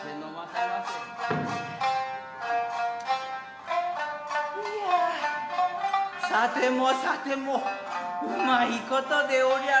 イヤさてもさても旨いことでおりゃる。